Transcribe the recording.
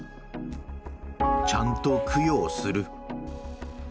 ちゃんと供養する。